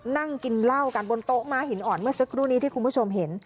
นั่งกินเหล้ากันบนโต๊ะม้าหินอ่อนเมื่อสักครู่นี้ที่คุณผู้ชมเห็น